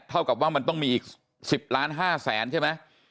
เท่ากับว่ามันต้องมีอีก๑๐๕๐๐๐๐๐ใช่ไหม